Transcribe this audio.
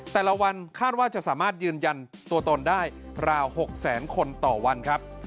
แต่ละวันคาดว่าจะสามารถยืนยันตัวตนได้ราว๖แสนคนต่อวันครับ